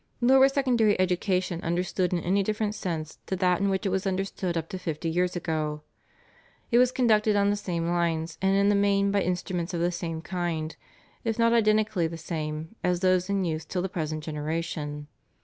Nor was secondary education understood in any different sense to that in which it was understood up to fifty years ago. It was conducted on the same lines and in the main by instruments of the same kind, if not identically the same, as those in use till the present generation."